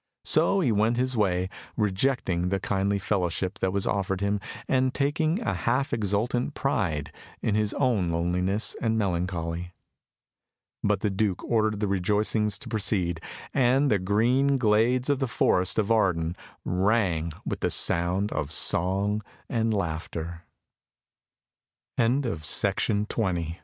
So he went his way, rejecting the kindly fellowship that was offered him, and taking a half exultant pride in his own loneliness and melancholy. But the Duke ordered the rejoicings to proceed, and the green glades of the Forest of Arden rang with